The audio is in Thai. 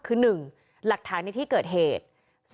คือ๑หลักฐานในที่เกิดเหตุ